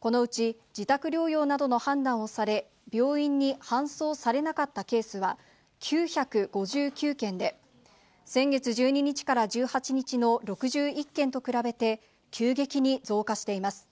このうち自宅療養などの判断をされ、病院に搬送されなかったケースは、９５９件で、先月１２日から１８日の６１件と比べて、急激に増加しています。